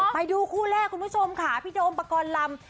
ไปดูคู่แรกคุณผู้ชมค่ะพี่โดมปกรณ์ลำ